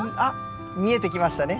見えてきましたね。